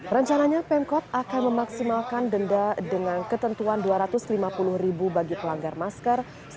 rencananya pemkot akan memaksimalkan denda dengan ketentuan rp dua ratus lima puluh bagi pelanggar masker